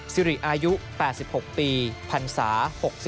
สิริอายุ๘๖ปีพันศา๖๔